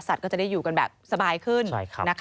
ก็จะได้อยู่กันแบบสบายขึ้น